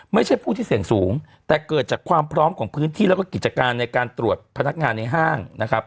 ไม่ใช่ผู้ที่เสี่ยงสูงแต่เกิดจากความพร้อมของพื้นที่แล้วก็กิจการในการตรวจพนักงานในห้างนะครับ